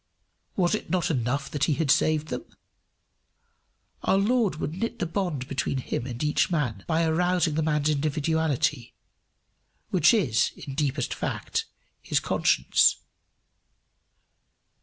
Was it not enough that he had saved them? Our Lord would knit the bond between him and each man by arousing the man's individuality, which is, in deepest fact, his conscience.